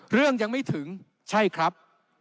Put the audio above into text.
เรื่องยังไม่ถึงใช่ครับ